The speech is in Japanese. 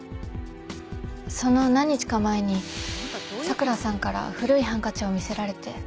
その何日か前に咲良さんから古いハンカチを見せられて。